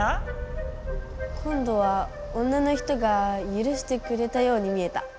こんどは女の人がゆるしてくれたように見えた。